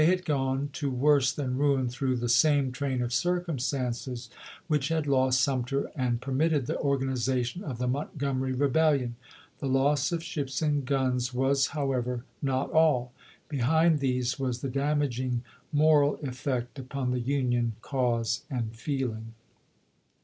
had gone to worse than ruin through the same train of circumstances which had lost Sumter and permitted the organization of the Montgomery re bellion. The loss of ships and guns was, however, not all ; behind these was the damaging moral ef fect upon the Union cause and feeling.